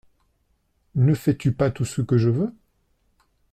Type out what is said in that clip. Ne fais-tu pas tout ce que je veux ?